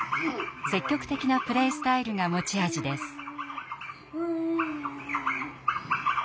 積極的なプレースタイルが持ち味です。